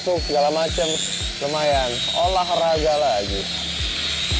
ukuran yang cukup